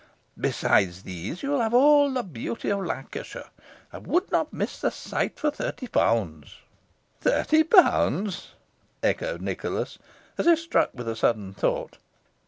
Besides these, you will have all the beauty of Lancashire. I would not miss the sight for thirty pounds." "Thirty pounds!" echoed Nicholas, as if struck with a sudden thought.